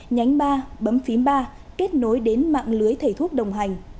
nhánh ba bấm phím ba kết nối đến mạng lưới thầy thuốc đồng hành